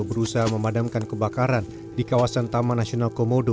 berusaha memadamkan kebakaran di kawasan taman nasional komodo